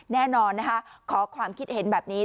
แน่นอนนะคะขอความคิดเห็นแบบนี้